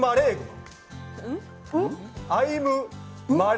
アイムマレ。